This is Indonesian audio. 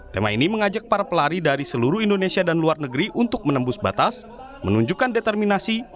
tema ini mengajak para pelari dari seluruh indonesia dan luar negeri untuk menembus batas menunjukkan determinasi